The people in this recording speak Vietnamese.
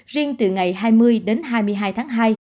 riêng từ ngày hai mươi đến hai mươi hai tháng hai